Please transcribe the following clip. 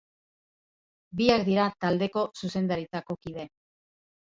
Biak dira taldeko zuzendaritzako kide.